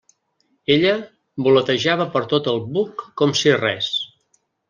Ella voletejava per tot el buc com si res.